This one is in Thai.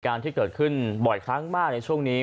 การที่เกิดขึ้นบ่อยครั้งมากในช่วงนี้